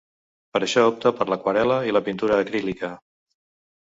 Per això opta per l’aquarel·la i la pintura acrílica.